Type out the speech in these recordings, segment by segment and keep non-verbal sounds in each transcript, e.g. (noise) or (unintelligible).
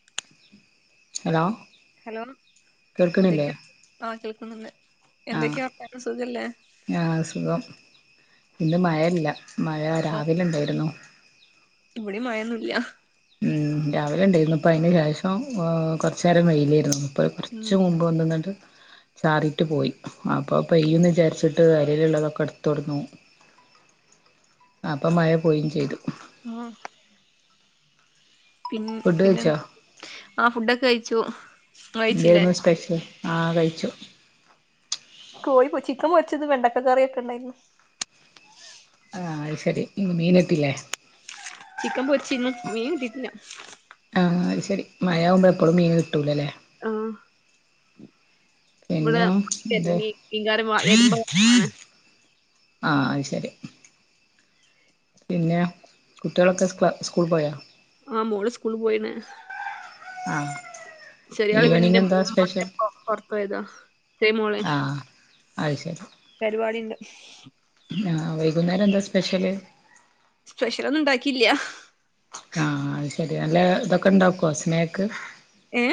(unintelligible) Hello hello കേൾക്കണില്ലേ എന്തൊക്കെയ ആ കേൾക്കുന്നുണ്ട് എന്തൊക്കെയാണ് സ ആഹസുഖം ഇന്ന് മഴയില്ല മഴ ആ, രാവില ഉണ്ടായിരുന്നു ഇവിടെ മയന്നില്ല ഉ രാവിലെ ഉണ്ടായിരുന്നു ഇപ്പൾ അതിന് ശേഷം കുറച്ചു നേരം വെയിലയിരുന്നു അ ഉം കുറച്ച മുമ്പ് കൊന്തന്നിട്ട് ചാറിയിട്ട് പോയി അപ്പൊ പെയ്യന്ന് വിചാരിച്ചിട്ട് കരലുള്ളതൊക്കെ എടുത്തടന്നു അപ്പൊ മഴ പോയും ചെയ്തു ആഹ പിൻ ഫുഡ് പിന്നെ കഴിച്ചോ ആ ഫുഡൊക്കെ കഴിച്ചു ങ്ങൾ കഴിച്ചില്ലേ ആ കഴിച്ചു കോഴി പോ ചിക്കൻ പൊരിച്ചത് വെണ്ടക്ക കറി ഒക്കെ ഇണ്ടായിരുന്നു ആഹ അത് ശരി ഇ മീൻട്ടില്ലേ ചിക്കൻ പൊച്ചിന്നും മീൻ കിട്ടിട്ടില്ല ആഹ് അത് ശരി മഴ ആവുമ്പോ എപ്പളും മീൻ കിട്ടൂലല്ലേ ആഹ പിന്നെ എന്തേ മീൻകാരൻ വ- വരുമ്പോ ആഹ അത് ശരി പിന്നെ കുട്ടികളൊക്കെ സ് സ്കൂൾ പോയാ ആ മോള സ്കൂള് പോയിണ് ആഹ ശെരിയാള് പിന്നന്റെ മ പറത്തയതാ ശ മോളെ അ ശരി (unintelligible) ആഹ വൈകുന്നേരം എന്താസ് സ്പെഷ്യൽ ഒന്നും ഉണ്ടാക്കിയില്ല ആഹ അത് ശെരി നല്ല ഇതൊക്കെ ഇണ്ടാക്കോ സ്നേക്ക് ഏ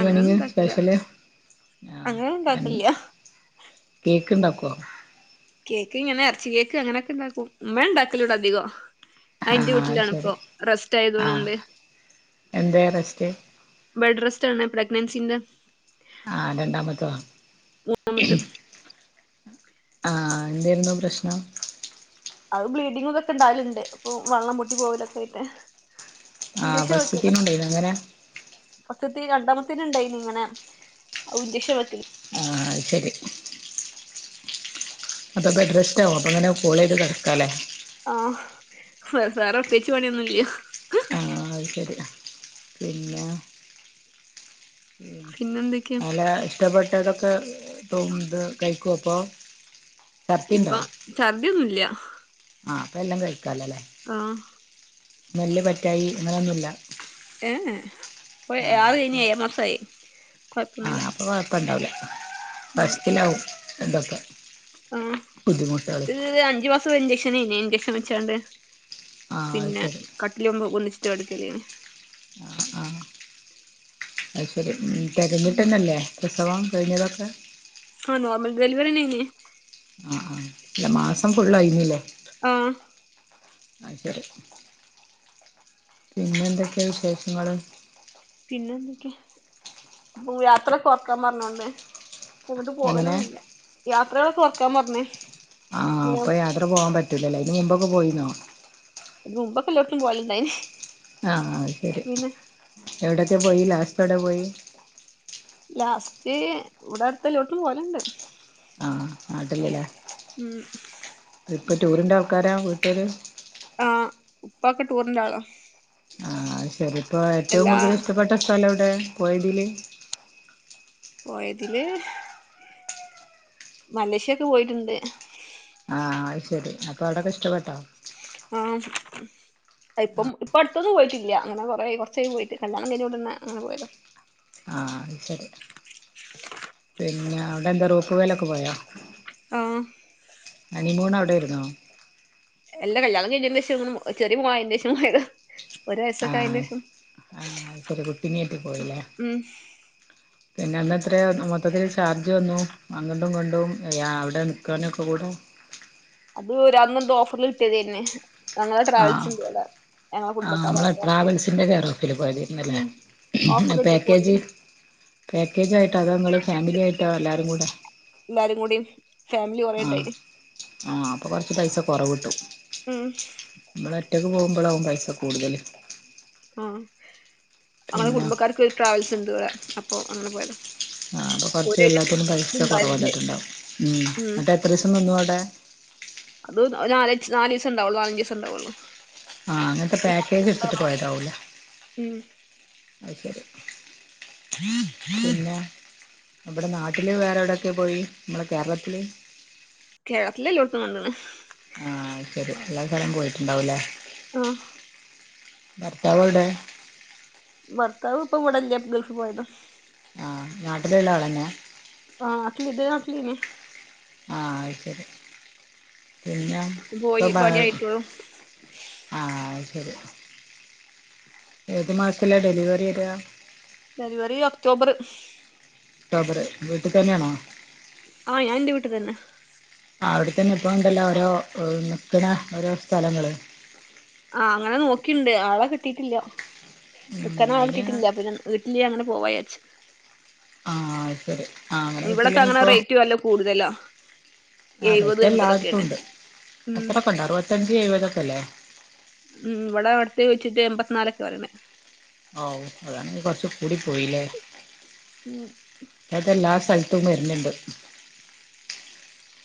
അങ്ങനെന്നും ഇണ്ടാക്കല സ്പെഷ്യല് അങ്ങനെ ഇണ്ടാക്കലില്ല ആഹ് അപ്പോ കേക്ക് ഇങ്ങനെ ഇറച്ചി കേക്ക് അങ്ങനൊക്കെണ്ടാക്കും ഉമ്മ ഉണ്ടാക്കലോൂട അധികം എന്റെ ആഹ് അത് ശരി വീട്ടിലാണിപ്പോൊ റെസ്റ്റ് ആഹ് ആയതോണണ്ട് എന്തേ റെസ്റ്റ് ബെഡ്രെസ്റ്റാണ് പ്രഗ്നൻസിൻ്റെ ആ രണ്ടാമത്തതാ സമയത്ത് ആഹ് എന്താര്ന്നു പ്രശ്നം അത് ബ്ലീഡിംഗുംതൊക്കെ ഇണ്ടാവാലുണ്ട് ഇപ്പൊ വെള്ളം പൊട്ടി പോവലൊക്കെ ആയിട്ട് ആഹ് ഇഞ്ചക്ഷൻ ഫാസ്റ്റാത്തേനും ഉണ്ടയിന അങ്ങനെ ക്കത്തി രണ്ടാമത്തെന് ഉണ്ടായിനി ഇങ്ങനെ ഇൻജക്ഷൻ വെക്ക ആഹ് ശെരി അപ്പൊ ബെഡ് റസ്റ്റ്‌ ആകും അപ്പൊ ഇങ്ങനെ കോളേയ്ത് കടക്കാലേ വേ വേറെ പ്രത്യേകിച്ച് പണിയൊന്നുംല്ല ആഹ് അത് ശെരി പിന്നാ ഉം പിന്നെ എന്തൊക്കെയാ നല്ല ഇഷ്ടപ്പെ ട്ടതൊക്കെ തോന്നുന്നത് കഴിക്കും അപ്പൊ ചർത്തിണ്ടോ ഇപ്പൊ ഛർദ്യൊന്നുംല്ല ആഹ് അപ്പ എല്ലാം കഴിക്കാല്ലാല്ലേ ആഹ് നെല്ല് പറ്റായി ഇങ്ങനെയൊന്നുല്ല ഏഹ് ആഹ് ആറ് അപ്പൊ കഴിഞ്ഞ് ഏഴാം മാസായി കൊയപ്പൊന്നുല്ല ഫസ്റ്റാലാവും ഇതൊക്ക ആഹ് ഈഹ് അഞ്ചു മാസം ഇഞ്ചക്ഷനയിന് ഇഞ്ചക്ഷൻ വെച്ചണ്ട് ആഹ് അത് പിന്നെ ശരി കട്ടിലിയുമ്പോ ഒന്നിച്ചിട്ട കെടക്കല് ആഹ് ആഹ് അയ്ശെരി ഉം തെരഞ്ഞിട്ടന്നല്ലേ പ്രസവം കഴിഞ്ഞതൊക്കാ ആഹ് നോർമൽ ഡെലിവറിന്നായിന് ആഹ് ആഹ് ഇല്ല മാസം ഫുള്ളായിഴില്ലേ ആ അയ്ശരി പിന്നെന്തൊക്കെയാ വിശേഷങ്ങള് പിന്നെ എന്തൊക്കെ അപ്പൊ യാത്ര കൊറക്കാൻ പറഞ്ഞോണ്ട് എങ്ങോട്ടും പോകല് എങ്ങനെ ഒന്നുല്ല യാത്രകള് കൊറക്കാൻ പറഞ്ഞേ ആഹ് അപ്പൊ യാത്ര പോവാൻ പറ്റൂലല്ലേ അയിന് മുമ്പൊക്കാ പോയിനോ മുമ്പൊക്കെ എല്ലാടത്തും പോവലിണ്ടായിനു ആഹ് ശരി എവിടെക്കെ പോയി ലാസ്റ്റ് എവ്ടെ പോയി ലാസ്റ്റ് ഇവിടെ അടുത്തെല്ലോട്ടും പോവല്ണ്ട് നാട്ടില്ലല്ലേ ഉം ഇപ്പൊ ടൂറിന്റെ ആൾക്കാരാ വീട്ടര് ആഹ് ഉപ്പക്കെ ടൂറിന്റെ ആളാ ആഹ് ശെരിപ്പ ഏറ്റവും എല്ലാ കൂടുതൽ ഇഷ്ടപ്പെട്ട സ്ഥലം എവിടെ പോയതില് പോയതില് മലേഷ്യ ഒക്കെ പോയിട്ടുണ്ട് ആഹ് ശെരി അപ്പൊ അവിടക്ക ഇഷ്ടപ്പെട്ടോ ആഹ് ഇപ്പം ഇപ്പാ അടുത്തോന്നും പോയിട്ടില്ല അങ്ങനെ കൊറേ ആയി കുറച്ച് ആയി പോയിട്ട് കല്യാണം കഴിഞ്ഞോടാന്നെ അങ്ങനെ പോയതാ ആഹ് അത് ശരി പിന്നെ അവിടെ എന്താ റോപ്പ് വേലൊക്കെ പോയോ ആഹ് ഹണിമൂൺ അവിടെയിരുന്നോ എല്ലാ കല്യാണം കഴിഞ്ഞെന്റെശം ഇക്ക് ഒരു പൂവാ അയിന്റെശം (unintelligible) ഒരു വയസ്സൊക്കെ അയിന്റെശം അയ്ശെരി കുട്ടിങ്‌ എത്തി പോയില്ലേ പിന്നെ അന്ന് എത്രയാ മൊത്തത്തിൽ ചാർജ് വന്നു അങ്ങട്ടും ഇങ്ങോട്ടും യാ അവിടെ നിൽക്കുവാനൊക്കെ കൂടെ അത് ഒര് അന്ന്ണ്ട് ഓഫറിൽ കിട്ടിയതന്നെ ഞങ്ങളെ ആഹ് ട്രാവൽസിന്റെ (unintelligible) ആഹ് കുടുംബക്കാരാ നമ്മളെ അപ്പൊ അങ്ങനെ ട്രാവൽസിന്റെ കെയറോഫില് പോയാത് ഉം ഓഫർ ല്ലേ കിട്ടിയപ്പോ പാക്കേജ് അതിന് പാക്കേജയിട്ട് അതാ ഇങ്ങള് ഫാമിലി ആയിട്ടോ എല്ലാരും കു എല്ലാരും കൂടി ഫാമിലി ആഹ് കൊറേണ്ടായിന് ആഹ് അപ്പോൾ കുറച്ച് പൈസ കുറവ് കിട്ടും ഉം നമ്മള് ഒറ്റക്ക് പോകുമ്പോളാവും പൈസ കൂടുതല് ആ അങ്ങെ പിന്നെ കുടുംബക്കാർക്ക്രു ട്രാവൽസ് ഉണ്ട് ഇവിടെ അപ്പൊ അങ്ങനെ പോയതാ ആഹ് അപ്പ കുറച്ച് ഓര് എല്ലാത്തിനും പൈസ കുറവ് ഉണ്ടാവല്ണ്ട് വന്നിട്ടുണ്ടാവും ഉം എന്നാട്ട് എത്ര ദിവസം നിന്നു അവിടെ അത് നാല നാല് ദിവസം ഉണ്ടാവുള്ളൂ നാലഞ്ച് ദിവസം ഉണ്ടാവുള്ളു ആ അങ്ങനത്തെ പാക്കേജ് എടുത്തിട്ട് പോയതാവൂലെ ഉം അ ശരി പിന്ന അവിടെ നാട്ടില് വേറെ എവിടെൊക്കെ പോയി നമ്മളെ കേരളത്തില് കേരളത്തില് എല്ലോട്ത്തും കണ്ട്ണ് ആഹ് അത് ശരി എല്ലാ സ്ഥലം പോയിട്ടുണ്ടാവൂല്ലേ ആഹ ഭർത്താവ് എവുടെ ഭർത്താവ് ഇപ്പൊ ഇവിടെ ഇല്ല ഗൾഫ് പോയതാ ആഹ നാട്ടില് ഉള്ള ആളന്നെ ആഹ നാട്ടിൽ ഇതെരെ നാട്ടിലെനി ആഹ അയിശേരി പിന്ന പോയി പണിയായിട്ടൊള്ളു ആ ശരി ഏത് മാസത്തിലാ ഡെലിവറി വെരാ ഡെലിവറി ഒക്ടോബർ ഒക്ടോബർ വീട്ടിൽ തന്നെയാണോ ആഹ ഞാൻ ഇന്റെ വീട്ടിൽ തന്നെ അവിടെത്തന്നെ ഇപ്പോൾ ഉണ്ടല്ലോ ഓരോ നിൽക്ക്‌ണ ഓരോ സ്ഥലങ്ങള്ൾ ആ അങ്ങനെ നോക്കിണ്ട് ആളെ കിട്ടിയിട്ടില്ല ഉം നിക്കാൻ ആളെ അയിന് കിട്ടീട്ടില്ല പിന്നെ വീട്ടില് അങ്ങനെ പോവാച്ച് ആഹ ശരി ആഹ അങ്ങനെ ഇവിടൊക്കെ കിട്ടല്ലെനി അങ്ങനെ ഇപ്പൊ റേറ്റ് വല്ല കൂടുതലാ ആ എഴുപത് പെറ്റ എല്ലാടത്തും എൺപതൊക്കെയാണ് ഉണ്ട് ഉം അത്രൊക്കെ ഉണ്ട് അറുപത്തഞ്ച് എഴപതൊക്ക അല്ലേ ഉം ഇവിടെ അവിടത്തേ ചോയിച്ചിട്ട് എൺമ്പത്തിനാലൊക്കെ പറയ്ണെ ഓ അതാണെങ്കി കൊറച്ചു കൂടി പോയില്ലേ ഉ അത് എല്ലാ സ്ഥലത്തും വരുന്നുണ്ട്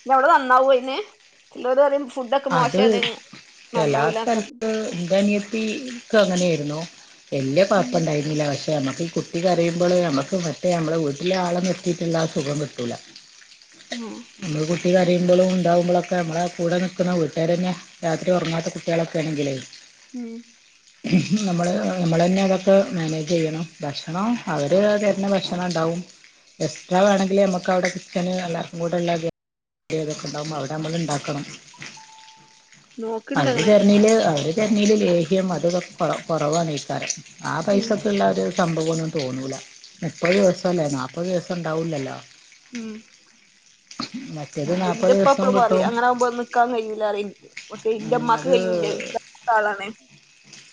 ഞ അവിടെ നന്നാവൊ അയിന് ചെലോര് പറയും ഫുഡൊക്കെ അത് മോശാണ് ചെല നന്നാവൂലന്നൊക്കെ പറഞ്ഞു സ്ഥലത്ത് എന്താണ് ഇന്ക് അങ്ങനെയായിരുന്നു വല്യ ഉം കുഴപ്പുണ്ടായിരുന്നില്ല പക്ഷെ പെ നമ്മക്ക് ഈ കുട്ടി കരയുമ്പോൾ നമ്മുക്ക് മറ്റേ നമ്മളെ വീട്ടിലെ ആളെ നിത്തിയിട്ടുള്ള ആ സുഖം കിട്ടൂല ആഹ നമ്മൾ കുട്ടി കരയുമ്പോഴും ഉണ്ടകുമ്പോളൊക്കെ നമ്മള കൂടെ നിക്ക ുന്ന വീട്ടേർ തന്നെ രാത്രി ഉറങ്ങാത്ത കുട്ടികളൊക്കെ ആണെങ്കിലേ ഉം നമ്മള് നമ്മൾ തന്നെ അതൊക്കെ മാനേജ് ചെയ്യണം ഭക്ഷണം അവര് തര്ന്ന ഭക്ഷണം ഉണ്ടാവും എക്സ്ട്രാേ വേണെങ്കിൽ നമുക്ക് അവിടെ കിച്ചണ് എല്ലാവർും കൂടെള്ള തൊക്കെ ഉണ്ടാകുമ്പോ അവിടെ നമ്മള് ഉണ്ടാക്കണം നോക്കണ്ട് അവര് അങ്ങനെ തരണില് അവര് തരണല് ലേഹ്യം െ കൊ കുറവണെക്കാരും ആ ഉം പൈസക്ക്‌ള്ള ഒരു സംഭവംഒന്നും തോന്നൂല മുപ്പത് ദിവസംല്ലേ നാപ്പത് ദിവസം ഉണ്ടാവൂല്ലല്ലോ ഉം അ അത് ഇന്റെ ഉപ്പ എപ്പളും പറയും അങ്ങനെ ആവുമ്പോ നിക്കാൻ കഴിയു ല്ല പറയും ഒറ്റേ ഇന്റെ ഉം, ഉമ്മാക്ക് കഴിയൂല്ല അത് വിശദ ആളാണ്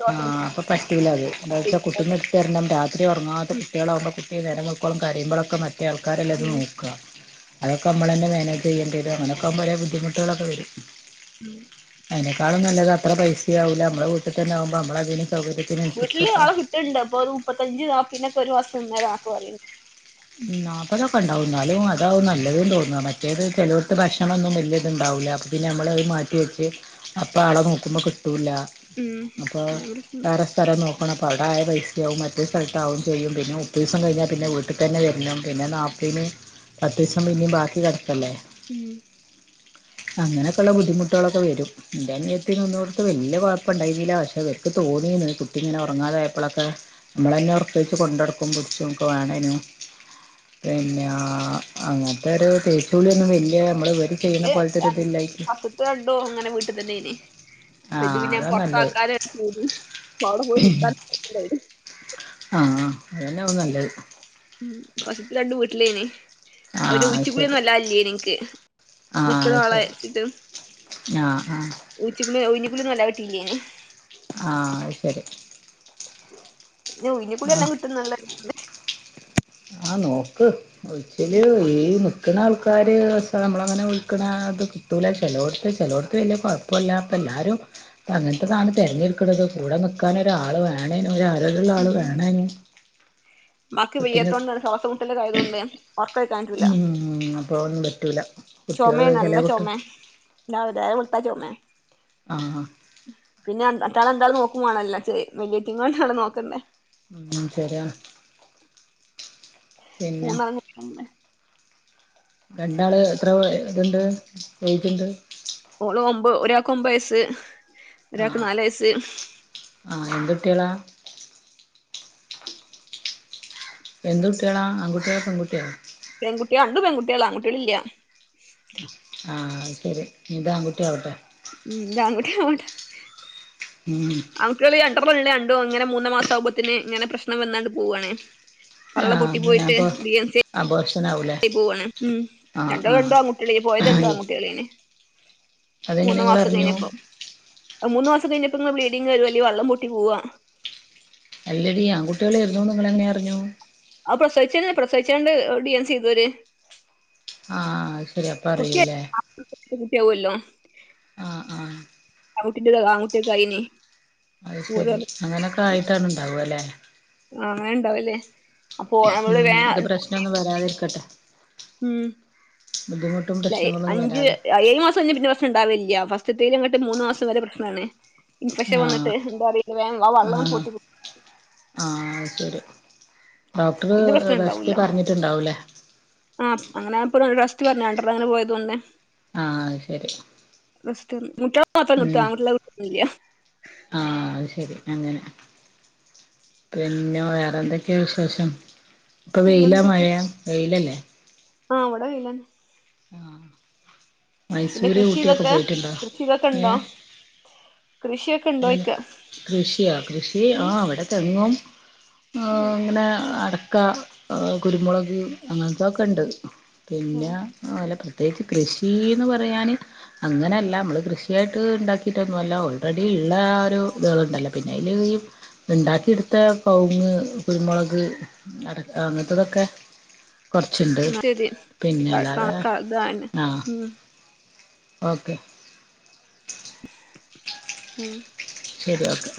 ശ്വാസം മുട്ടല് ആഹ് അപ്പ പറ്റൂലാ അത് എന്താച്ച കഴിയൂല കുട്ടിന്നെ ഇടത്തെരണം രാത്രി ഉറങ്ങാത്ത ഉം കുട്ടികളാകുമ്പോൾ കുട്ടിയെ നേരം വെളുക്കോളാം കയുമ്പോഴൊക്കെ മറ്റേ ആൾക്കാരെല്ലെ അത് ഉം നോക്കുക അതൊക്കെ നമ്മൾ ന്നെ മാനേജ് ചെയ്യേണ്ടി വരും അങ്ങനെ ആകുമ്പോൾ കൊറേ ബുദ്ദിമുട്ട്കൾ ഒക്കെ വരും ഉം അതിനേക്കാളും നല്ലത് അത്ര പൈസയാവൂല്ല നമ്മളെ വീട്ട് തന്നാവുമ്പം നമ്മളതിന് വീട്ടില് സൗകര്യത്തിനനുസരിച്ചൊക്കെ ആൾ കിട്ടണ്ട് അപ്പൊ മുപ്പത്തഞ്ച് നാപയ്ന് ഒക്കെ ഒരു മാസം നിന്നേരന്നോക്കെ പറയണ്ട് നാൽപതൊക്കെ ഇണ്ടാവും ന്നാലും അതാവും നല്ലത് തോന്ന. മറ്റേത് ചെലോടത്തെ ഭക്ഷണം ഒന്നും വല്യ ഇത് ഇണ്ടാവൂല ആവൂല പിന്നെ നമ്മൾ അത് മാറ്റിവെച്ച് അപ്പൊ ആളെ നോക്കുമ്പോ കിട്ടൂല. ഉം അപ്പൊ ഭയങ്കര പ്രശ്നണ്ട് വേറെ സ്ഥലം നോ ക്കണപ്പം അവ്ടെ ആയ പൈസ്യാവും മറ്റേ സ്ഥലത്ത് ആവും ചെയ്യും. പിന്നെ മുപ്പതീസം കഴിഞ്ഞാ പിന്നെ വീ ട്ട്ത്തന്നെ വര്ണം. പിന്നെ നാല്പത് ന് പത്തീസം പിന്നിം ബാക്കി കെട്ക്കല്ലേ. ഉം അങ്ങനെകൊള്ള ബുദ്ധിമുട്ടുകളൊക്കെ വരും. ഇൻ്റെനിയത്തി നിന്നീന്യോട്ത്ത് വല്ല്യ കൊഴപ്പം ഇണ്ടായ്ന്നീല്ല. പക്ഷെ ഇവര്ക്ക് തോന്നി (unintelligible) കുട്ടി ഇങ്ങനെ ഒറങ്ങാതെ ആയപ്പളൊക്കെ നമ്മളയ്‌നെ ഒറക്കൊയിച്ചു കൊണ്ടടക്കും പുട്ച്ചും ഒക്കെ വാണേനും പിന്നെ അങ്ങൻത്തൊരു തേച്ച് കുളിയൊന്നും വല്യ ഇൻ്റെത് രൺ ഫസ്‌റ്റ്ത്തത് രണ്ടും അങ്ങനെ വീട്ട് തന്നേ നി. അപ്പ ആ ഇത് പിന്നെ അതാ നല്ലത് പുറത്താക്കാലോ. (unintelligible) അപ്പ അവടെ നിക്കാൻ (unintelligible) ആഹ് അതന്നാവും നല്ലത്. ഉം ഫസ്‌റ്റ്ത്ത രണ്ടും വീട്ടിലേനി. ആ ഒരു ഉഴിച്ചു കുളിയൊന്നും വല്ലാ ഇല്ലേനി ഇൻക്ക്. നിക്ക്ണ ആളെ ശരി വചിട്ട്. നാ ആ കുളി നല്ലത് കിട്ടീനി യ്ന്. ആഹ് ആഹ് അത് ശരി ന്നെ ഉഴിഞ്ഞുകുളി ആഹ് നല്ലോം കിട്ടുംന്നുള്ള (unintelligible) ആഹ് നോക്ക്. ഉയ്ച്ചില് ഉം ഉഴീന്ന് ക്ക്ണ ആൾക്കാര് വെച്ചാ നമ്മളങ്ങനെ വിളിക്ണ അത് കിട്ടൂലാ ചെലോട്ത്ത്. ചെലോട്ത്ത് വല്യ കുഴപ്പൂല്ലാത്ത എല്ലാരും ഇപ്പ അങ്ങൻത്തെതാണ് തിരഞ്ഞെടുക്ണത് കൂടെ നിക്കാന് ഒരാൾ വേണെനും ഒരാരോഗ്യള്ള ആൾ വേണേനും. ഉമ്മാക്ക് കുട്ടിന്റെ വയ്യാത്തോണ്ടാണ്. ശ്വാസം മുട്ടലൊക്കെ ആയതോണ്ടേ. ഒറക്കൊയിക്കാൻ പറ്റൂല. ഉം അപ്പൊ ഒന്നും പറ്റൂല ചൊമേ കുട്ടികള് നല്ല ചെല കുട്ടി ചൊമേ. രാവ് നേരം വെള്ത്താ ചൊമെ. ആ അ ട്ട്യാളെ എന്തായാലും നോക്കും മാണല്ലോ ചെ വെല്ലീറ്റങ്ങളെന്നേണ് നോക്കണ്ടേ. ഉം ശരിയാണ്. പിന്നെ മുന്നാൺകുട്ടിയേളല്ലേ. രണ്ടാള് എത്ര ഇതുണ്ട് വെയ്റ്റ്ണ്ട്? ഓള് ഒരാൾക്ക് ഒമ്പത് വയസ്സ്, ഒരാൾക്ക് ആഹ് നാല് വയസ്സ്. ആഹ് എന്ത് കുട്ടികളാ എന്ത് കുട്ടിയേളാ? ആൺകുട്ടിയോ പെൺകുട്ടിയോ പെൺകുട്ടിയാ. രണ്ടും പെൺകുട്ടിയേളാ. ആൺകുട്ടിയേ ളില്ല. ആ ശരി ഇഞ്ദ് ആൺക്കുട്ടി ആവട്ടേ. ഉം ഇതാൺക്കുട്ടി ആവട്ടേ ഉം ആൺകുട്ടിയേള് രണ്ട്രണം ഇള്ളേ ക രണ്ടും അങ്ങനെ മൂന്ന് മാസാവുമ്പോത്തിന് ഇങ്ങനെ പ്രശ്‌നം വന്നാണ്ട് പോവാണേ. പള്ള ആഹ് പൊട്ടി അങ്ങനെ പോയിട്ട് അപ്പൊ ഡി എം സി അബോർഷനാവൂലേ പൊട്ടിപോവാണ്. ഉം രണ്ടോ ആഹ് രണ്ടോ ആൺകുട്ടിയേളേനി. ഈ പോയത് രണ്ടും ആഹ് ആൺകുട്ടിയേളേനി അതെങ്ങനെ മൂന്ന് നിങ്ങൾ മാസം അറിഞ്ഞു കഴിഞ്ഞപ്പം. അത് മൂന്ന് മാസം കഴിഞ്ഞ് (unintelligible) ങ്ങ ബ്ലീഡിങ്ങ രും അല്ലേ വള്ളം പൊട്ടി പോവാ. അല്ലടി ആൺകുട്ടിയോളേര്ന്നൂന്ന് ന ഇങ്ങൾ എങ്ങനെ അറിഞ്ഞു? അത് പ്രസവിച്ചന്നെ. പ്രസവിച്ചാണ്ട് ഡി എൻ സി ചെയ്തോര്. ആഹ് അഹ് ശ കുട്ടി (unintelligible) ആവുല്ലോ ആഹ് ആഹ് ആൺക്കുട്ടിൻ്റെ ദ് ആൺക്കുട്ടിയൊക്കായിനി. അത് ശെരി അങ്ങനൊക്കെ ആയിട്ടാണ് ഇണ്ടാവ ലേ അങ്ങനെ ഉണ്ടാവല്ലേ അപ്പൊ നമ്മള് ഉം വേ ഇത് പ്രശ്നൊന്നും വരാതിരിക്കട്ടെ. ഉം ബുദ്ധിമുട്ടും ല്ലയ് പ്രശ്നങ്ങളൊന്നും അഞ്ച് വരാതെ ഏഴു മാസം കഴിഞ്ഞാ പിന്നെ ഒരു പ്രശ്‌നം ഇണ്ടാവലില്ല. ഫസ് ഫസ്റ്റ്ത്തേനിങ്ങട്ട് മൂന്ന്മാസം വരെ പ്രശ്നാണ്. ഇൻഫെക്ഷൻ ആഹ് വന്നിട്ട് എന്താ (unintelligible) വേ ആ വെള്ളംണ്ട് ആഹ് പൊട്ടി ആഹ് അത് ശരി. ഡോക്ടറ് പിന്നെ പ്രശ്നം ഉണ്ടാവില്ല റശ്റ്റ് പറഞ്ഞിട്ടുണ്ടാവൂല്ലേ. റ്റ് പറഞ്ഞ് രണ്ടർണം അങ്ങനെ പോയതോണ്ട്. ആ അഹ് ശരി. (unintelligible) ങ്കുട്ട്യള മാത്ര നിർത്ത ഉം ആങ്കുട്ട്യള നിർത്തൊന്നുല്ല്യ ആഹ് അത് ശരി അങ്ങനെ പിന്നെ വേറെന്തക്കെ വിശേഷം? ഇപ്പൊ വെയിലാ പിന്നെന്തൊക്കെ മഴയാ വെയിലല്ലേ. ആ വ്ടെ വെയിലാണ്. ആ പിന്നെ മൈസൂര് കൃഷി ഊട്ടിയൊക്കെ ഇതൊക്കെ പോയിട്ടുണ്ടോ? കൃഷി ഇതൊക്കെ ഏ ഉണ്ടോ കൃഷിയൊക്കെ ഉണ്ടോ ങ്ങനെ ഇക്ക കൃഷിയാ കൃഷി ആ ഉം. ഇവടെ തെങ്ങും ആ ഇങ്ങനെ അടക്ക കുരുമുളക് അങ്ങൻത്തൊക്കെണ്ട്. പിന്നെ ഉം. ആലപ പ്രത്യേകിച്ച് കൃഷിന്ന് പറയാന് അങ്ങനെയല്ല മ്മള് കൃഷിയായിട്ട് ഇണ്ടാക്കിട്ടൊന്നൊല്ല ഓൾറെഡി ഇള്ള ഒരു ഇതാളുണ്ടല്ലോ പിന്നെ അയില് ഈ ഇണ്ടാക്കിട്ത്ത കവുങ്ങ് കുരുമുളക് അടക്ക അങ്ങനത്തതൊക്കെ കുറച്ചുണ്ട് എന്നാ ശരി ക- പിന്നെല്ലാതെ കണക്കാ ഇതാണ് ആ ഉം ഓക്കെ ഉം ശരി ഓക്കെ.